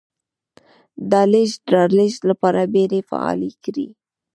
د لېږد رالېږد لپاره بېړۍ فعالې کړې.